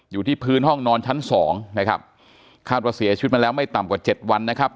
อยู่ที่พื้นห้องนอนชั้นสองคาดว่าเสียชีวิตมาแล้วไม่ต่ำกว่า๗วัน